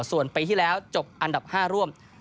ส่วนปีที่แล้วจบอันดับ๕ร่วม